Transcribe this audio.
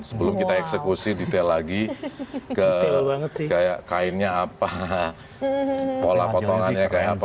sebelum kita eksekusi detail lagi ke kainnya apa pola potongannya kayak apa